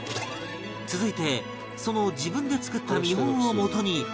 続いてその自分で作った見本をもとに下描き